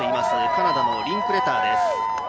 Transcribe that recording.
カナダのリンクレターです。